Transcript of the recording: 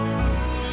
aku seperti itu